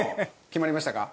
決まりましたか？